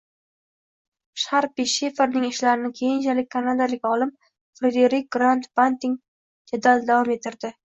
Sharpi-Sheferning ishlarini keyinchalik kanadalik olim Frederik Grant Banting jadal davom ettirdi